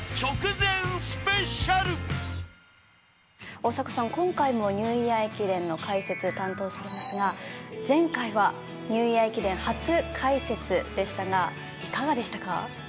大迫さん、今回もニューイヤー駅伝の解説を担当されますが、前回はニューイヤー初解説でしたが、いかがでしたか？